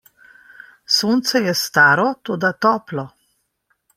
Sonce je staro, toda toplo.